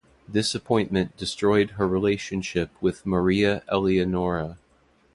This appointment destroyed her relationship with Maria Eleonora.